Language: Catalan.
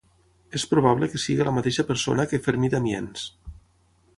És probable que sigui la mateixa persona que Fermí d'Amiens.